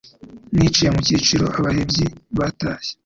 Niciye mu KaricoAbahebyi batashye.